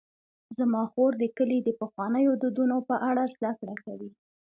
زما خور د کلي د پخوانیو دودونو په اړه زدهکړه کوي.